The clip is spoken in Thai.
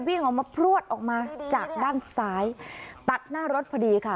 วิ่งออกมาพลวดออกมาจากด้านซ้ายตัดหน้ารถพอดีค่ะ